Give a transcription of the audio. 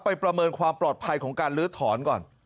ประเมินความปลอดภัยของการลื้อถอนก่อน